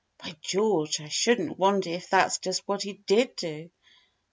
By George, I shouldn't wonder if that's just what he did do!